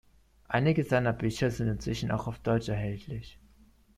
Einige seiner Bücher sind inzwischen auch auf Deutsch erhältlich.